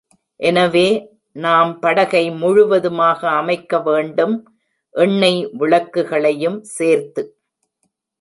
எனவே நாம் படகை முழுவதுமாக அமைக்க வேண்டும், எண்ணெய் விளக்குகளையும் சேர்த்து.